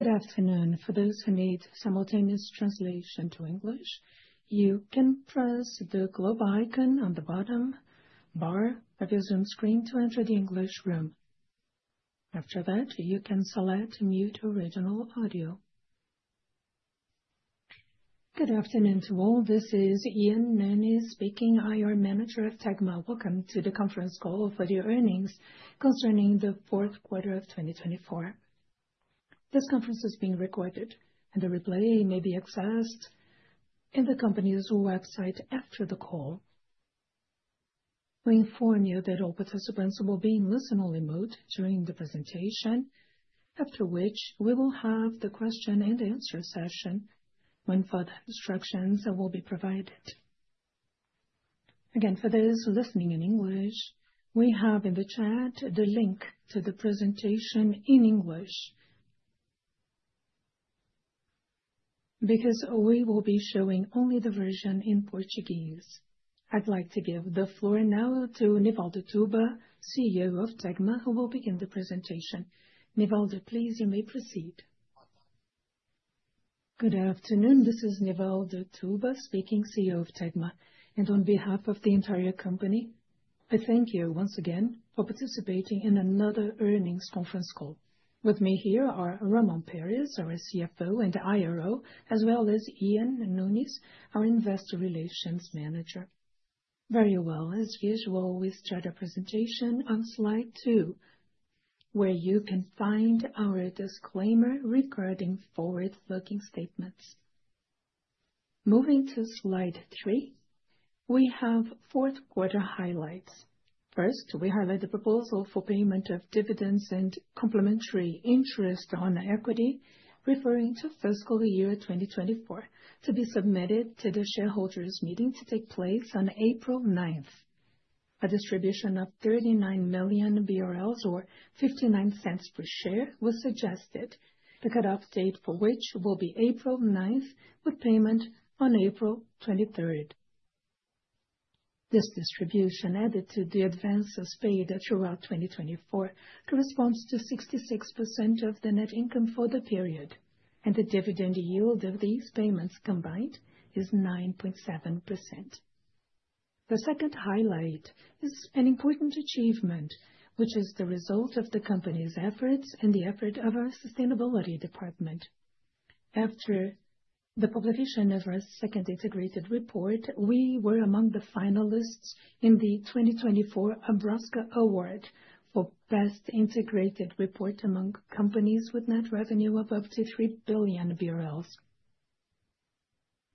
Good afternoon. For those who need simultaneous translation to English, you can press the globe icon on the bottom bar of your Zoom screen to enter the English room. After that, you can select Mute Original Audio. Good afternoon to all. This is Ian Nunes speaking, IR Manager of Tegma. Welcome to the Conference Call for the Earnings concerning the Q4 of 2024. This conference is being recorded, and the replay may be accessed in the company's website after the call. We inform you that all participants will be in listen-only mode during the presentation, after which we will have the Q&A session when further instructions will be provided. Again, for those listening in English, we have in the chat the link to the presentation in English. Because we will be showing only the version in Portuguese, I'd like to give the floor now to Nivaldo Tuba, CEO of Tegma, who will begin the presentation. Nivaldo, please, you may proceed. Good afternoon. This is Nivaldo Tuba speaking, CEO of Tegma. On behalf of the entire company, I thank you once again for participating in another earnings conference call. With me here are Ramon Perez, our CFO and IRO, as well as Ian Nunes, our Investor Relations Manager. Very well. As usual, we start our presentation on slide two, where you can find our disclaimer regarding forward-looking statements. Moving to slide three, we have fourth-quarter highlights. First, we highlight the proposal for payment of dividends and complementary interest on equity referring to fiscal year 2024 to be submitted to the shareholders' meeting to take place on April 9th. A distribution of 39 million BRL, or 0.59 per share, was suggested, the cut-off date for which will be April 9th, with payment on April 23rd. This distribution, added to the advances paid throughout 2024, corresponds to 66% of the net income for the period, and the dividend yield of these payments combined is 9.7%. The second highlight is an important achievement, which is the result of the company's efforts and the effort of our Sustainability Department. After the publication of our second integrated report, we were among the finalists in the 2024 Abrasca Award for Best Integrated Report among companies with net revenue of up to 3 billion BRL.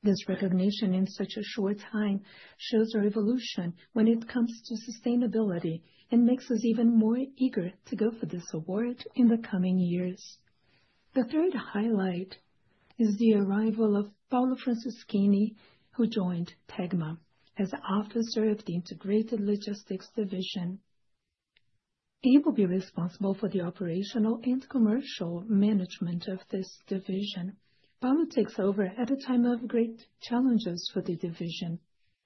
This recognition in such a short time shows our evolution when it comes to sustainability and makes us even more eager to go for this award in the coming years. The third highlight is the arrival of Paulo Franceschini, who joined Tegma as Officer of the Integrated Logistics Division. He will be responsible for the operational and commercial management of this division. Paolo takes over at a time of great challenges for the division.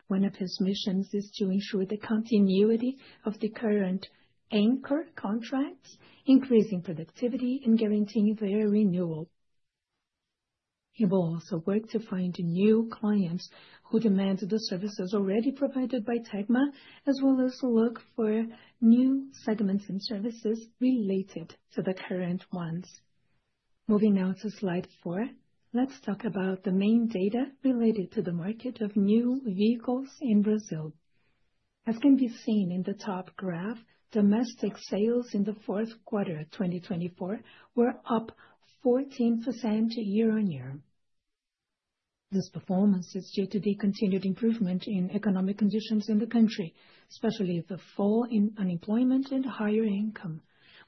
One of his missions is to ensure the continuity of the current anchor contracts, increasing productivity, and guaranteeing their renewal. He will also work to find new clients who demand the services already provided by Tegma, as well as look for new segments and services related to the current ones. Moving now to slide four, let's talk about the main data related to the market of new vehicles in Brazil. As can be seen in the top graph, domestic sales in the Q4 of 2024 were up 14% year-on-year. This performance is due to the continued improvement in economic conditions in the country, especially the fall in unemployment and higher income.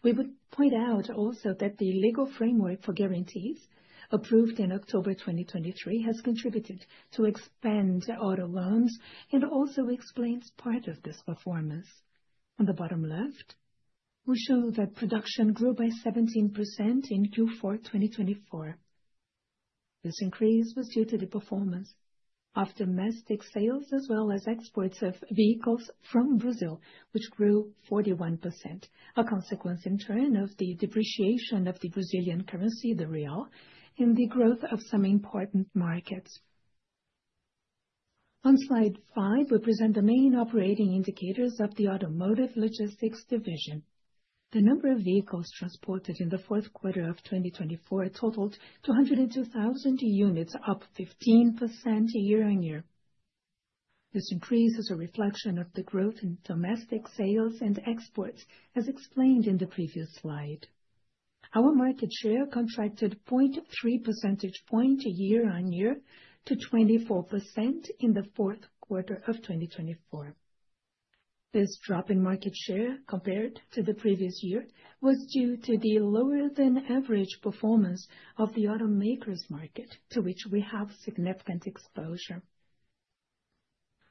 We would point out also that the legal framework for guarantees approved in October 2023 has contributed to expand auto loans and also explains part of this performance. On the bottom left, we show that production grew by 17% in Q4 2024. This increase was due to the performance of domestic sales, as well as exports of vehicles from Brazil, which grew 41%, a consequence in turn of the depreciation of the Brazilian currency, the real, and the growth of some important markets. On slide five, we present the main operating indicators of the Automotive Logistics Division. The number of vehicles transported in the Q4 of 2024 totaled 202,000 units, up 15% year-on-year. This increase is a reflection of the growth in domestic sales and exports, as explained in the previous slide. Our market share contracted 0.3 percentage points year-on-year to 24% in the Q4 of 2024. This drop in market share, compared to the previous year, was due to the lower-than-average performance of the automakers' market, to which we have significant exposure.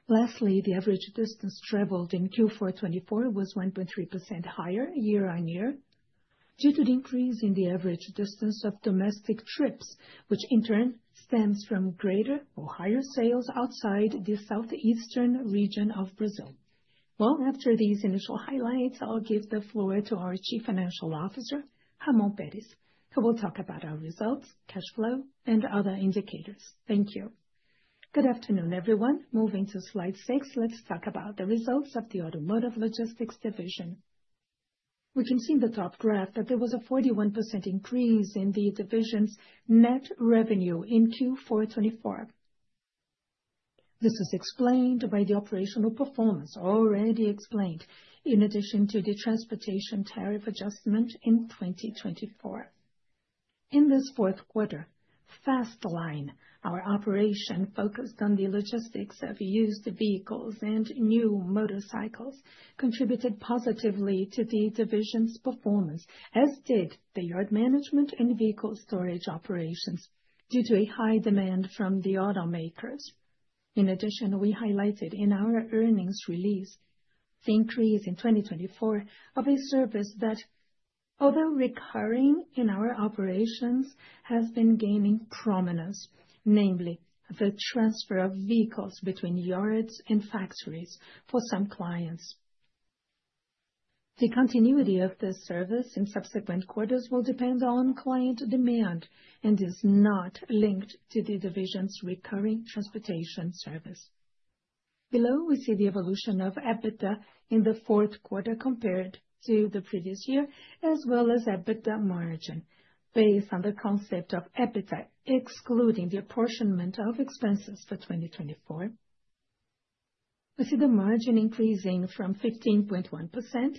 Lastly, the average distance traveled in Q4 2024 was 1.3% higher year-on-year due to the increase in the average distance of domestic trips, which in turn stems from greater or higher sales outside the southeastern region of Brazil. After these initial highlights, I'll give the floor to our Chief Financial Officer, Ramon Perez, who will talk about our results, cash flow, and other indicators. Thank you. Good afternoon, everyone. Moving to slide six, let's talk about the results of the Automotive Logistics Division. We can see in the top graph that there was a 41% increase in the division's net revenue in Q4 2024. This is explained by the operational performance already explained, in addition to the transportation tariff adjustment in 2024. In this Q4, Fastline, our operation focused on the logistics of used vehicles and new motorcycles, contributed positively to the division's performance, as did the yard management and vehicle storage operations, due to a high demand from the automakers. In addition, we highlighted in our earnings release the increase in 2024 of a service that, although recurring in our operations, has been gaining prominence, namely the transfer of vehicles between yards and factories for some clients. The continuity of this service in subsequent quarters will depend on client demand and is not linked to the division's recurring transportation service. Below, we see the evolution of EBITDA in the Q4 compared to the previous year, as well as EBITDA margin, based on the concept of EBITDA excluding the apportionment of expenses for 2024. We see the margin increasing from 15.1%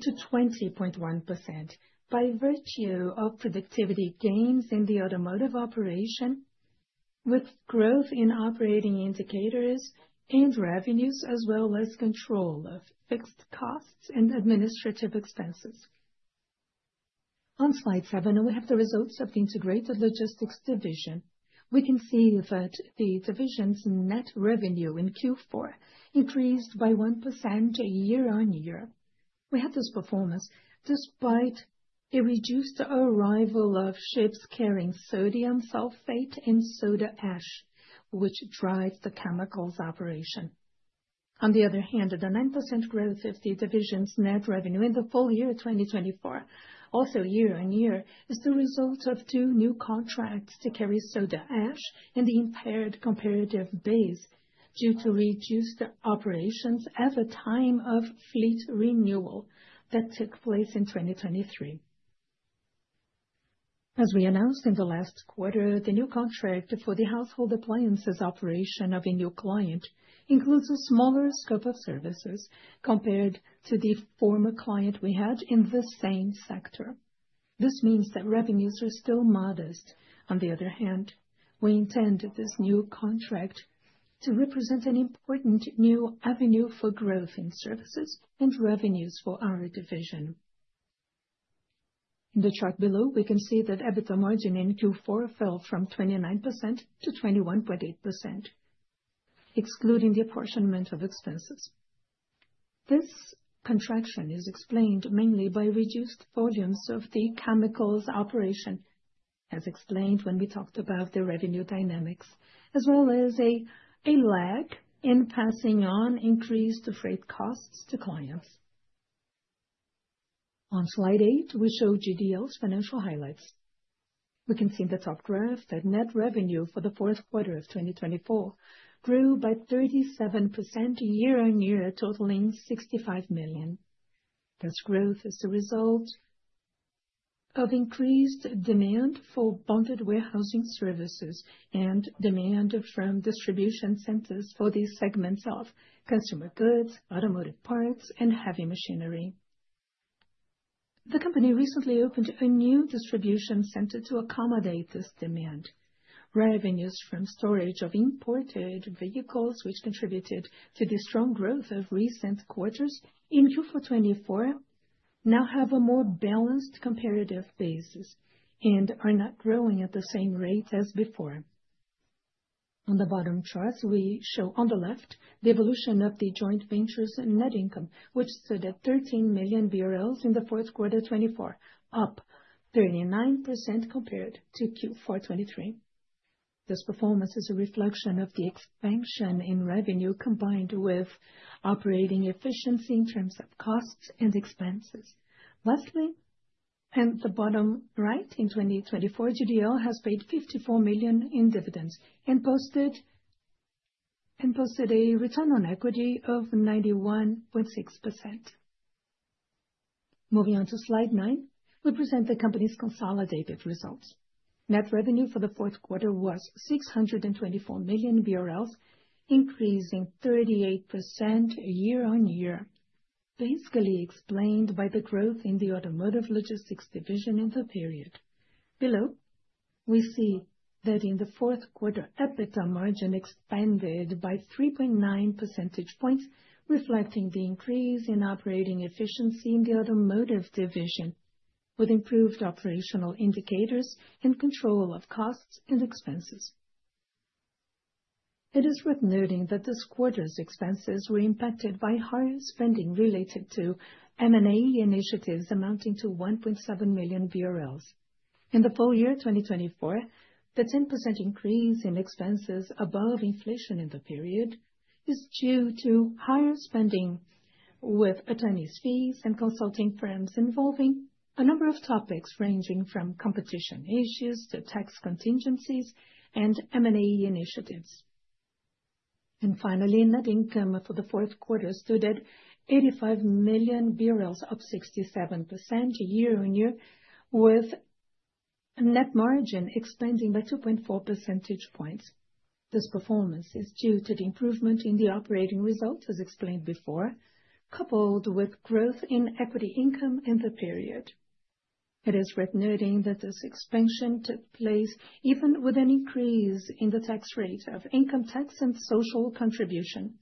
to 20.1% by virtue of productivity gains in the automotive operation, with growth in operating indicators and revenues, as well as control of fixed costs and administrative expenses. On slide seven, we have the results of the Integrated Logistics Division. We can see that the division's net revenue in Q4 increased by 1% year-on-year. We have this performance despite a reduced arrival of ships carrying sodium sulfate and soda ash, which drives the chemicals operation. On the other hand, the 9% growth of the division's net revenue in the full year 2024, also year-on-year, is the result of two new contracts to carry soda ash and the impaired comparative base due to reduced operations at the time of fleet renewal that took place in 2023. As we announced in the last quarter, the new contract for the household appliances operation of a new client includes a smaller scope of services compared to the former client we had in the same sector. This means that revenues are still modest. On the other hand, we intend this new contract to represent an important new avenue for growth in services and revenues for our division. In the chart below, we can see that EBITDA margin in Q4 fell from 29% to 21.8%, excluding the apportionment of expenses. This contraction is explained mainly by reduced volumes of the chemicals operation, as explained when we talked about the revenue dynamics, as well as a lag in passing on increased freight costs to clients. On slide eight, we show GDL's financial highlights. We can see in the top graph that net revenue for the Q4 of 2024 grew by 37% year-on-year, totaling 65 million. This growth is the result of increased demand for bonded warehousing services and demand from distribution centers for the segments of consumer goods, automotive parts, and heavy machinery. The company recently opened a new distribution center to accommodate this demand. Revenues from storage of imported vehicles, which contributed to the strong growth of recent quarters in Q4 2024, now have a more balanced comparative basis and are not growing at the same rate as before. On the bottom chart, we show on the left the evolution of the joint venture's net income, which stood at 13 million BRL in the Q4 2024, up 39% compared to Q4 2023. This performance is a reflection of the expansion in revenue combined with operating efficiency in terms of costs and expenses. Lastly, at the bottom right, in 2024, GDL has paid 54 million in dividends and posted a return on equity of 91.6%. Moving on to slide nine, we present the company's consolidated results. Net revenue for the Q4 was 624 million BRL, increasing 38% year-on-year, basically explained by the growth in the Automotive Logistics Division in the period. Below, we see that in the Q4, EBITDA margin expanded by 3.9 percentage points, reflecting the increase in operating efficiency in the Automotive Division, with improved operational indicators and control of costs and expenses. It is worth noting that this quarter's expenses were impacted by higher spending related to M&A initiatives amounting to 1.7 million. In the full year 2024, the 10% increase in expenses above inflation in the period is due to higher spending with attorneys' fees and consulting firms involving a number of topics ranging from competition issues to tax contingencies and M&A initiatives. Finally, net income for the Q4 stood at 85 million, up 67% year-on-year, with net margin expanding by 2.4 percentage points. This performance is due to the improvement in the operating results, as explained before, coupled with growth in equity income in the period. It is worth noting that this expansion took place even with an increase in the tax rate of income tax and social contribution,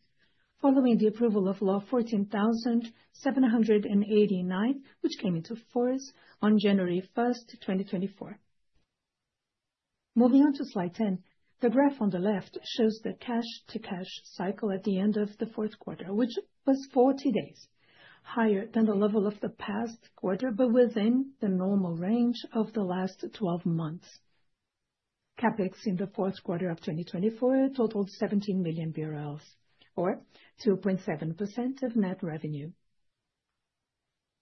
following the approval of Law 14789, which came into force on January 1, 2024. Moving on to slide 10, the graph on the left shows the cash-to-cash cycle at the end of the Q4, which was 40 days, higher than the level of the past quarter, but within the normal range of the last 12 months. CapEx in the Q4 of 2024 totaled 17 million BRL, or 2.7% of net revenue.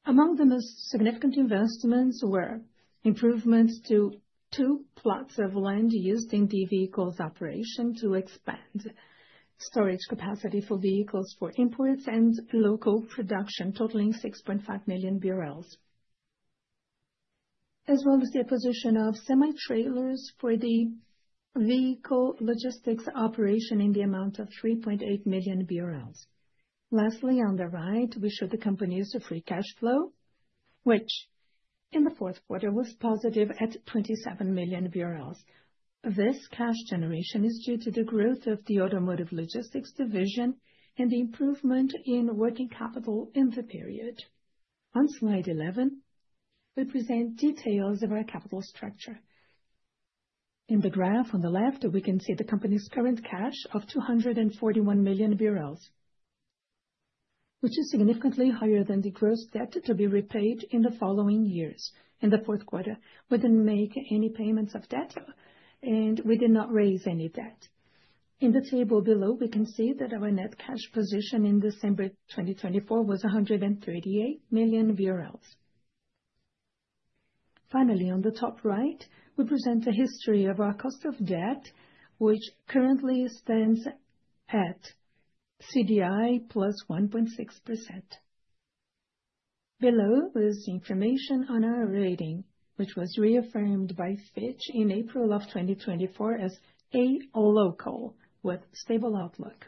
Among the most significant investments were improvements to two plots of land used in the vehicles operation to expand storage capacity for vehicles for imports and local production, totaling 6.5 million, as well as the acquisition of semi-trailers for the vehicle logistics operation in the amount of 3.8 million BRL. Lastly, on the right, we show the company's free cash flow, which in the Q4 was positive at 27 million BRL. This cash generation is due to the growth of the Automotive Logistics Division and the improvement in working capital in the period. On slide 11, we present details of our capital structure. In the graph on the left, we can see the company's current cash of 241 million BRL, which is significantly higher than the gross debt to be repaid in the following years. In the Q4, we didn't make any payments of debt, and we did not raise any debt. In the table below, we can see that our net cash position in December 2024 was 138 million. Finally, on the top right, we present a history of our cost of debt, which currently stands at CDI plus 1.6%. Below is information on our rating, which was reaffirmed by Fitch in April of 2024 as A local, with stable outlook.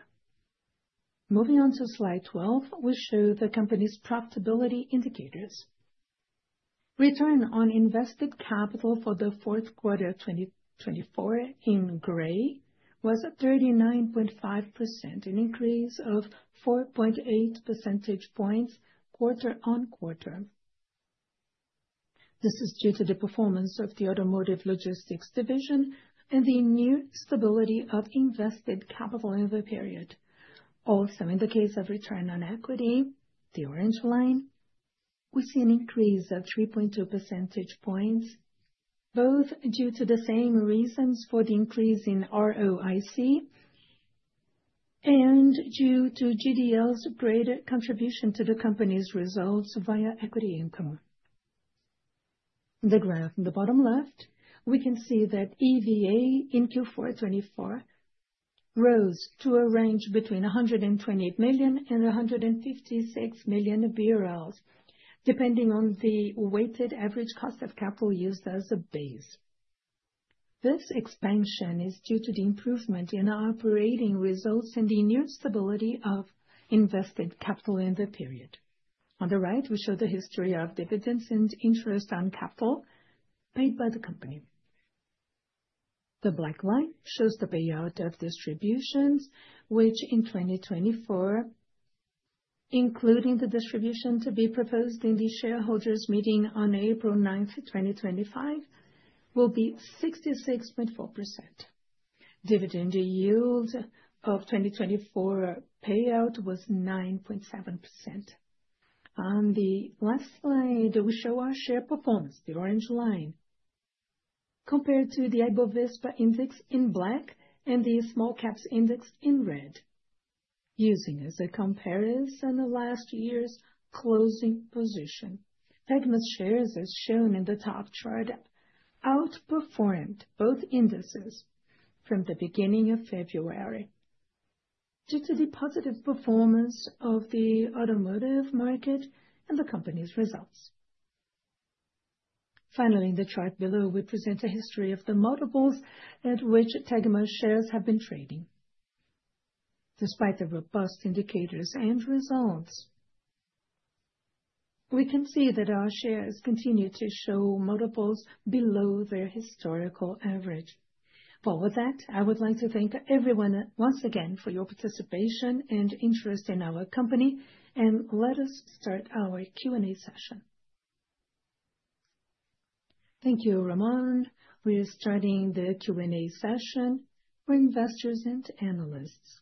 Moving on to slide 12, we show the company's profitability indicators. Return on invested capital for the Q4 of 2024 in gray was 39.5%, an increase of 4.8 percentage points quarter on quarter. This is due to the performance of the Automotive Logistics Division and the new stability of invested capital in the period. Also, in the case of return on equity, the orange line, we see an increase of 3.2 percentage points, both due to the same reasons for the increase in ROIC and due to GDL's greater contribution to the company's results via equity income. In the graph on the bottom left, we can see that EVA in Q4 2024 rose to a range between 128 million and 156 million, depending on the weighted average cost of capital used as a base. This expansion is due to the improvement in our operating results and the new stability of invested capital in the period. On the right, we show the history of dividends and interest on capital paid by the company. The black line shows the payout of distributions, which in 2024, including the distribution to be proposed in the shareholders' meeting on April 9th, 2025, will be 66.4%. Dividend yield of 2024 payout was 9.7%. On the last slide, we show our share performance, the orange line, compared to the Ibovespa index in black and the small caps index in red, using as a comparison the last year's closing position. Tegma's shares, as shown in the top chart, outperformed both indices from the beginning of February due to the positive performance of the automotive market and the company's results. Finally, in the chart below, we present a history of the multiples at which Tegma's shares have been trading. Despite the robust indicators and results, we can see that our shares continue to show multiples below their historical average. I would like to thank everyone once again for your participation and interest in our company, and let us start our Q&A session. Thank you, Ramon. We are starting the Q&A session for investors and analysts.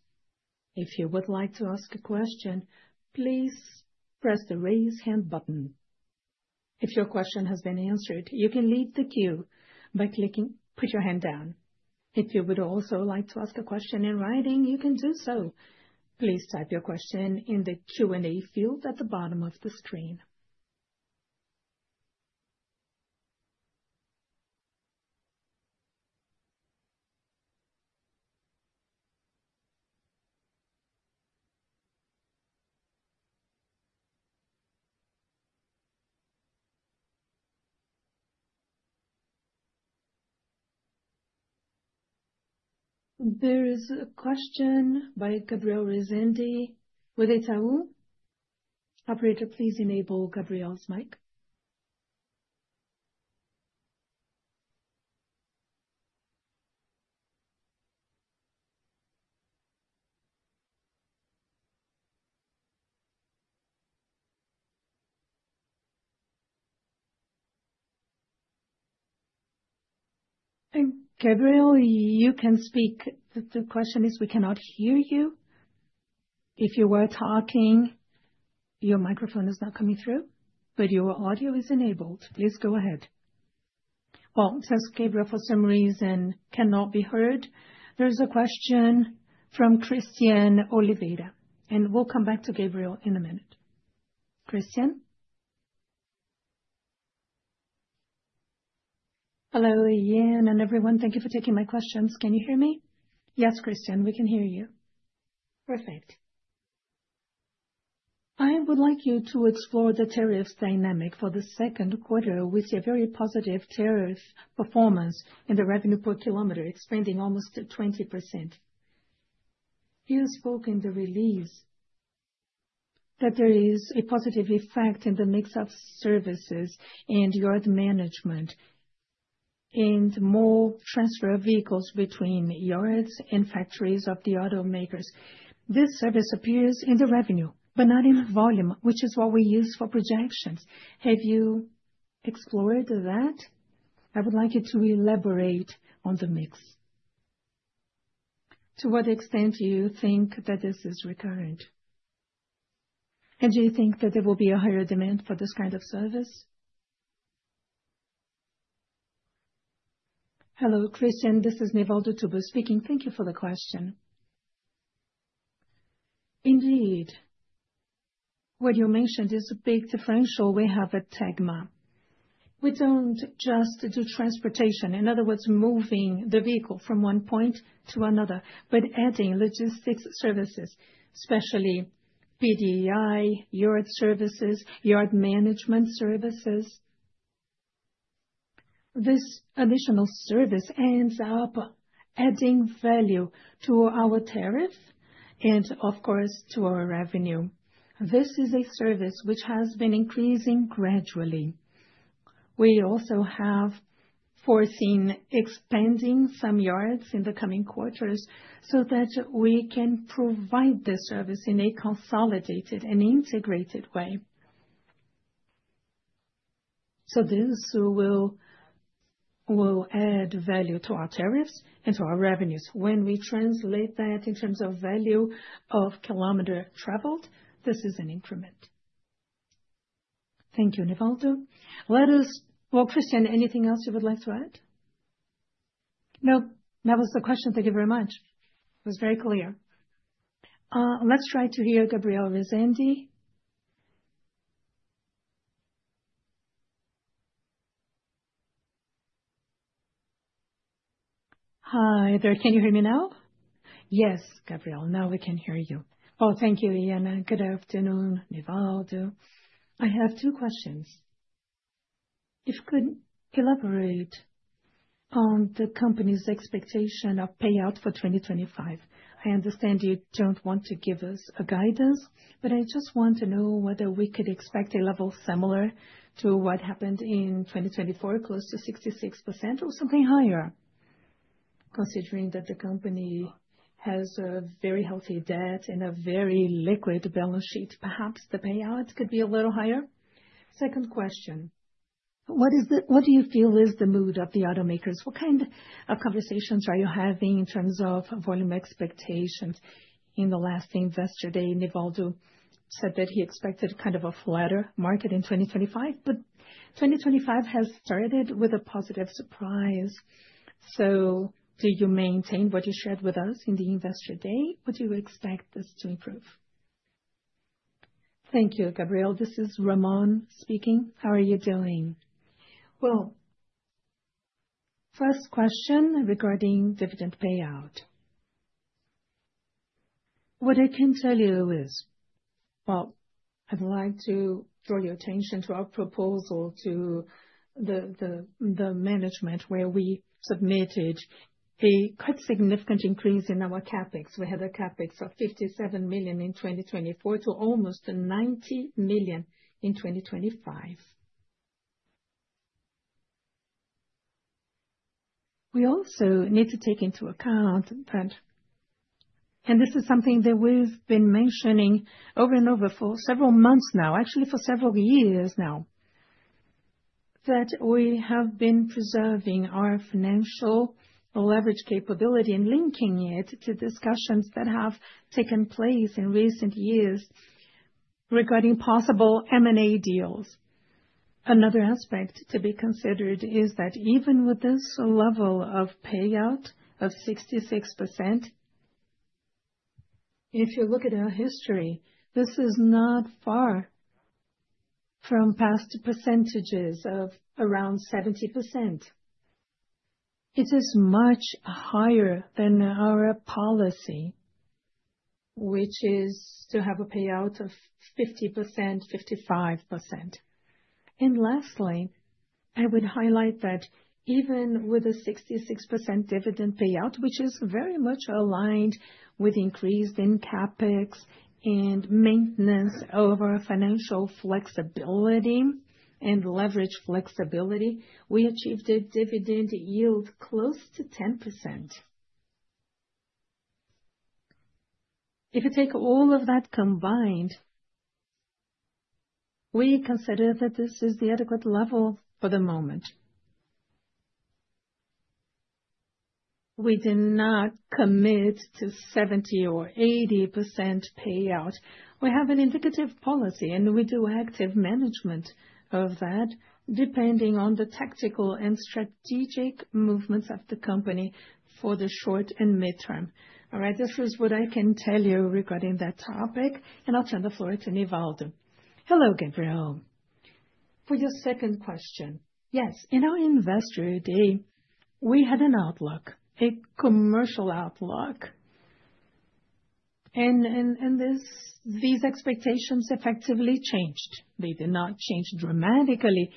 If you would like to ask a question, please press the raise hand button. If your question has been answered, you can leave the queue by clicking "Put your hand down." If you would also like to ask a question in writing, you can do so. Please type your question in the Q&A field at the bottom of the screen. There is a question by Gabriel Rezende with Itaú. Operator, please enable Gabriel's mic. Gabriel, you can speak. The question is, we cannot hear you. If you were talking, your microphone is not coming through, but your audio is enabled. Please go ahead. Since Gabriel, for some reason, cannot be heard, there is a question from Christian Oliveira, and we will come back to Gabriel in a minute. Christian? Hello, Ian, and everyone. Thank you for taking my questions. Can you hear me? Yes, Christian, we can hear you. Perfect. I would like you to explore the tariffs dynamic for the Q2. We see a very positive tariff performance in the revenue per kilometer, expanding almost 20%. You spoke in the release that there is a positive effect in the mix of services and yard management and more transfer of vehicles between yards and factories of the automakers. This service appears in the revenue, but not in volume, which is what we use for projections. Have you explored that? I would like you to elaborate on the mix. To what extent do you think that this is recurrent? Do you think that there will be a higher demand for this kind of service? Hello, Christian, this is Nivaldo Tuba speaking. Thank you for the question. Indeed, what you mentioned is a big differential we have at Tegma. We do not just do transportation, in other words, moving the vehicle from one point to another, but adding logistics services, especially PDI, yard services, yard management services. This additional service ends up adding value to our tariff and, of course, to our revenue. This is a service which has been increasing gradually. We also have foreseen expanding some yards in the coming quarters so that we can provide this service in a consolidated and integrated way. This will add value to our tariffs and to our revenues. When we translate that in terms of value of kilometer traveled, this is an increment. Thank you, Nivaldo. Let us, Christian, anything else you would like to add? No, that was the question. Thank you very much. It was very clear. Let's try to hear Gabriel Rezende. Hi there. Can you hear me now? Yes, Gabriel. Now we can hear you. Oh, thank you, Ian. Good afternoon, Nivaldo. I have two questions. If you could elaborate on the company's expectation of payout for 2025. I understand you do not want to give us a guidance, but I just want to know whether we could expect a level similar to what happened in 2024, close to 66% or something higher, considering that the company has a very healthy debt and a very liquid balance sheet. Perhaps the payout could be a little higher. Second question. What do you feel is the mood of the automakers? What kind of conversations are you having in terms of volume expectations? In the last investor day, Nivaldo said that he expected kind of a flatter market in 2025, but 2025 has started with a positive surprise. Do you maintain what you shared with us in the investor day? Would you expect this to improve? Thank you, Gabriel. This is Ramon speaking. How are you doing? First question regarding dividend payout. What I can tell you is, I would like to draw your attention to our proposal to the management where we submitted a quite significant increase in our CapEx. We had a CapEx of 57 million in 2024 to almost 90 million in 2025. We also need to take into account that, and this is something that we have been mentioning over and over for several months now, actually for several years now, that we have been preserving our financial leverage capability and linking it to discussions that have taken place in recent years regarding possible M&A deals. Another aspect to be considered is that even with this level of payout of 66%, if you look at our history, this is not far from past percentages of around 70%. It is much higher than our policy, which is to have a payout of 50%, 55%. Lastly, I would highlight that even with a 66% dividend payout, which is very much aligned with increased CapEx and maintenance over financial flexibility and leverage flexibility, we achieved a dividend yield close to 10%. If you take all of that combined, we consider that this is the adequate level for the moment. We did not commit to 70% or 80% payout. We have an indicative policy, and we do active management of that depending on the tactical and strategic movements of the company for the short and midterm. All right, this is what I can tell you regarding that topic, and I'll turn the floor to Nivaldo. Hello, Gabriel. For your second question, yes, in our investor day, we had an outlook, a commercial outlook, and these expectations effectively changed. They did not change dramatically,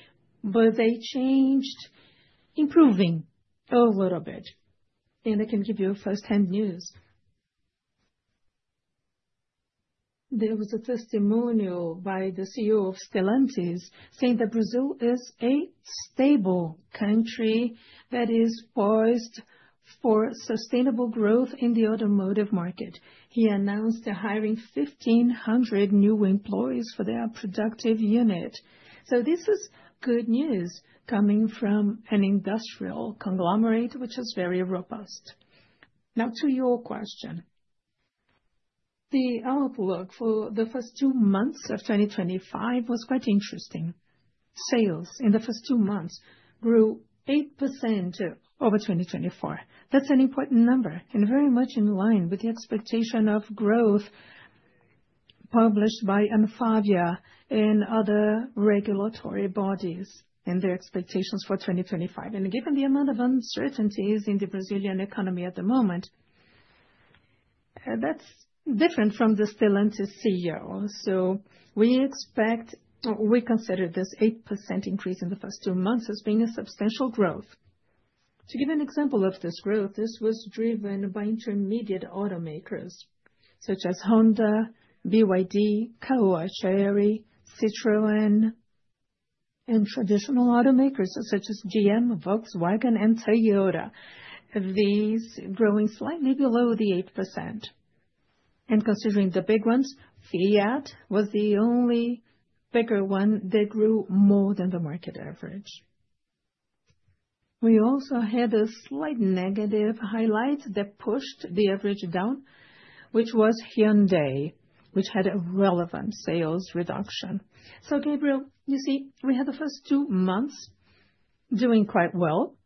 but they changed improving a little bit. I can give you firsthand news. There was a testimonial by the CEO of Stellantis saying that Brazil is a stable country that is poised for sustainable growth in the automotive market. He announced the hiring of 1,500 new employees for their productive unit. This is good news coming from an industrial conglomerate, which is very robust. Now, to your question, the outlook for the first two months of 2025 was quite interesting. Sales in the first two months grew 8% over 2024. That is an important number and very much in line with the expectation of growth published by Anfavea and other regulatory bodies and their expectations for 2025. Given the amount of uncertainties in the Brazilian economy at the moment, that is different from the Stellantis CEO. We expect, we consider this 8% increase in the first two months as being a substantial growth. To give an example of this growth, this was driven by intermediate automakers such as Honda, BYD, Caoa Chery, Citroën, and traditional automakers such as General Motors, Volkswagen, and Toyota, these growing slightly below the 8%. Considering the big ones, Fiat was the only bigger one that grew more than the market average. We also had a slight negative highlight that pushed the average down, which was Hyundai, which had a relevant sales reduction. Gabriel, you see, we had the first two months doing quite well.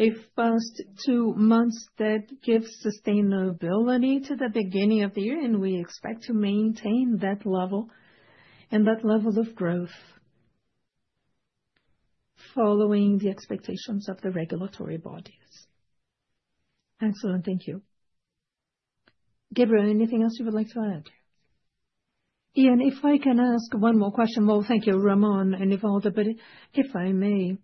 A first two months that gives sustainability to the beginning of the year, and we expect to maintain that level and that level of growth following the expectations of the regulatory bodies. Excellent. Thank you. Gabriel, anything else you would like to add? Ian, if I can ask one more question, thank you, Ramon and Nivaldo, but if I may,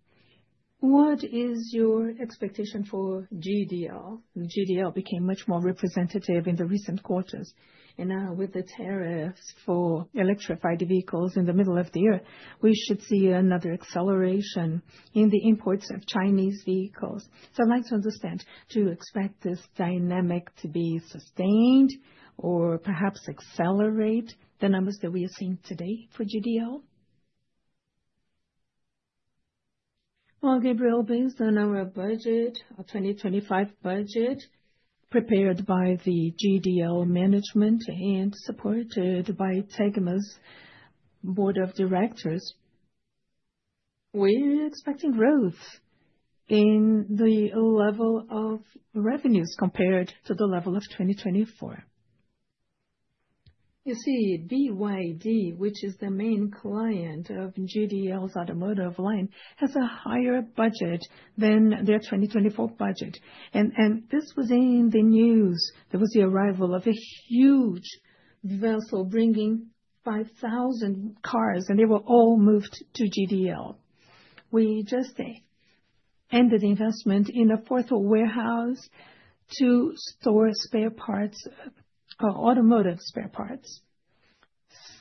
what is your expectation for GDL? GDL became much more representative in the recent quarters. Now, with the tariffs for electrified vehicles in the middle of the year, we should see another acceleration in the imports of Chinese vehicles. I would like to understand, do you expect this dynamic to be sustained or perhaps accelerate the numbers that we are seeing today for GDL? Gabriel, based on our budget, our 2025 budget prepared by the GDL management and supported by Tegma's board of directors, we are expecting growth in the level of revenues compared to the level of 2024. You see, BYD, which is the main client of GDL's automotive line, has a higher budget than their 2024 budget. This was in the news. There was the arrival of a huge vessel bringing 5,000 cars, and they were all moved to GDL. We just ended the investment in a fourth warehouse to store spare parts, automotive spare parts.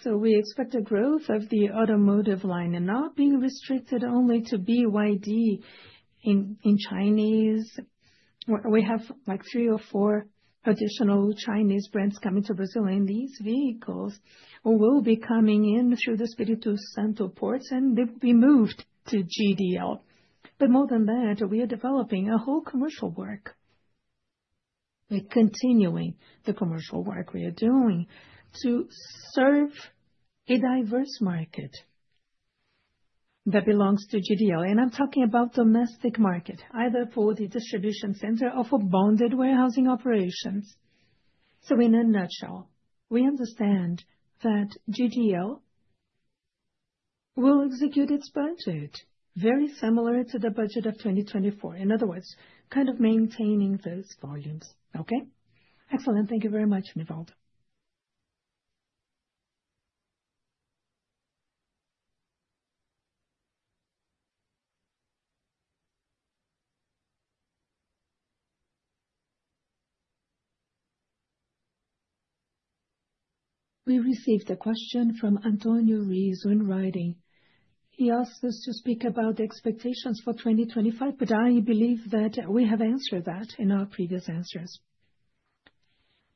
We expect the growth of the automotive line and not being restricted only to BYD in Chinese. We have like three or four additional Chinese brands coming to Brazil, and these vehicles will be coming in through the Espírito Santo ports, and they will be moved to GDL. More than that, we are developing a whole commercial work. We're continuing the commercial work we are doing to serve a diverse market that belongs to GDL. I'm talking about the domestic market, either for the distribution center or for bonded warehousing operations. In a nutshell, we understand that GDL will execute its budget very similar to the budget of 2024. In other words, kind of maintaining those volumes. Okay? Excellent. Thank you very much, Nivaldo. We received a question from Antonio Rizzo in writing. He asked us to speak about the expectations for 2025, but I believe that we have answered that in our previous answers.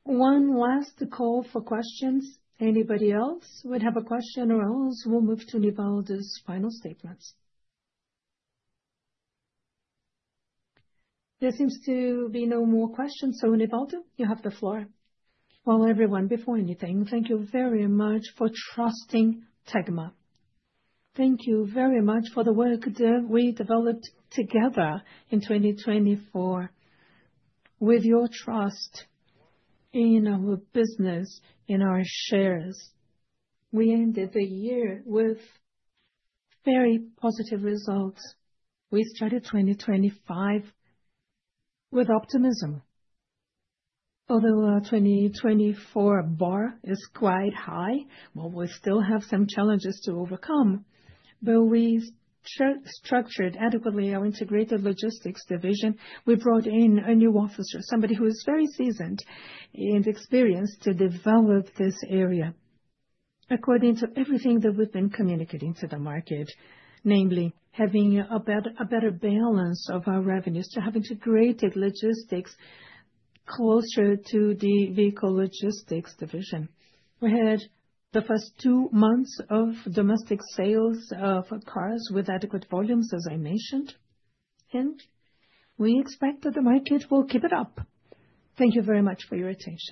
One last call for questions. Anybody else would have a question, or else we will move to Nivaldo's final statements. There seems to be no more questions. Nivaldo, you have the floor. Everyone, before anything, thank you very much for trusting Tegma. Thank you very much for the work that we developed together in 2024. With your trust in our business, in our shares, we ended the year with very positive results. We started 2025 with optimism. Although our 2024 bar is quite high, we still have some challenges to overcome. We structured adequately our integrated logistics division. We brought in a new officer, somebody who is very seasoned and experienced to develop this area. According to everything that we have been communicating to the market, namely having a better balance of our revenues to have integrated logistics closer to the vehicle logistics division. We had the first two months of domestic sales of cars with adequate volumes, as I mentioned. We expect that the market will keep it up. Thank you very much for your attention.